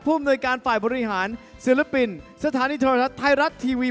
อำนวยการฝ่ายบริหารศิลปินสถานีโทรทัศน์ไทยรัฐทีวี